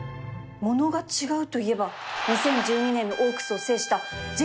物が違うといえば２０１２年のオークスを制した